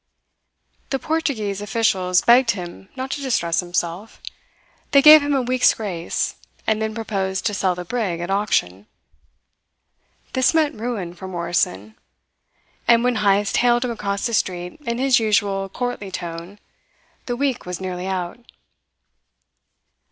The Portuguese officials begged him not to distress himself. They gave him a week's grace, and then proposed to sell the brig at auction. This meant ruin for Morrison; and when Heyst hailed him across the street in his usual courtly tone, the week was nearly out.